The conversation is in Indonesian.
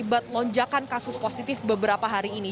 monjakan kasus positif beberapa hari ini